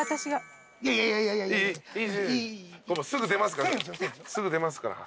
すぐ出ますから。